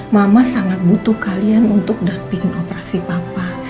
mama sangat butuh kalian untuk daping operasi papa